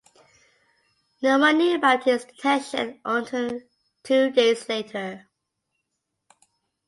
No one knew about his detention until two days later.